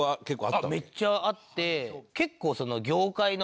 めっちゃあって。